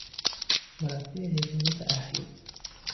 مربی حیوانات اهلی